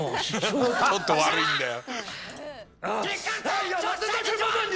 ちょっと悪いんだよ。